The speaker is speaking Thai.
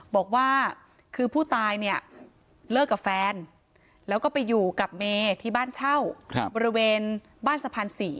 บอกว่าคือผู้ตายเนี่ยเลิกกับแฟนแล้วก็ไปอยู่กับเมที่บ้านเช่าบริเวณบ้านสะพาน๔